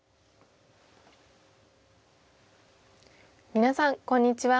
皆さんこんにちは。